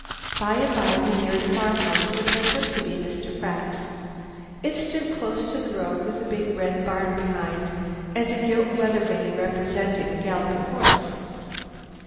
By and by we neared a farmhouse which I took to be Mr. Pratt's. It stood close to the road, with a big, red barn behind and a gilt weathervane representing a galloping horse.